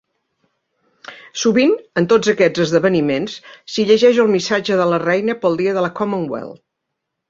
Sovint en tots aquests esdeveniments si llegeix el missatge de la reina pel Dia de la Commonwealth.